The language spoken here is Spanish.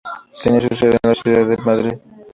Tenía su sede en la ciudad de Madrid.